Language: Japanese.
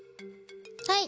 はい。